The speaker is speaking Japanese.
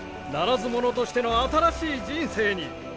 ならず者としての新しい人生に！